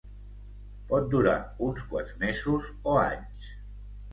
Pot durar uns quants mesos o anys.